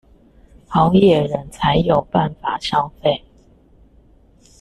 好野人才有辦法消費